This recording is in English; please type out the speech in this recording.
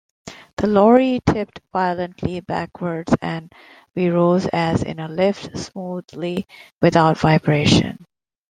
The lorry tipped violently backwards-and we rose as in a lift, smoothly without vibration.